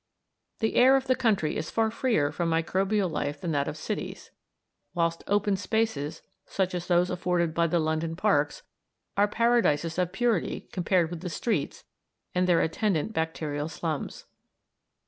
The air of the country is far freer from microbial life than that of cities; whilst open spaces, such as those afforded by the London parks, are paradises of purity compared with the streets with their attendant bacterial slums.